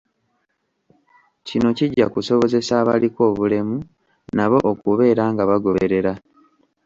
Kino kijja kusobozesa abaliko obulemu nabo okubeera nga bagoberera.